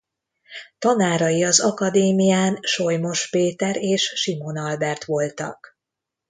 Tanárai az Akadémián Solymos Péter és Simon Albert voltak.